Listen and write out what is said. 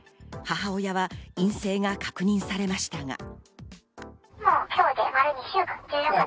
母親は陰性が確認されましたが。